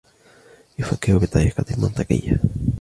يفكّر بطريقة منطقيّة.